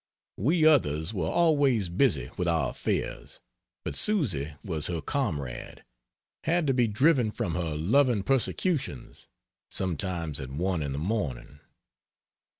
We others were always busy with our affairs, but Susy was her comrade had to be driven from her loving persecutions sometimes at 1 in the morning.